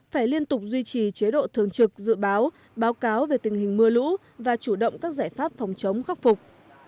phải liên tục duy trì chế độ thường trực dự báo báo cáo về tình hình mưa lũ và chủ động các giải pháp phòng chống khắc phục